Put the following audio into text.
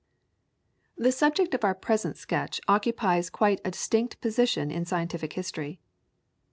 The subject of our present sketch occupies quite a distinct position in scientific history.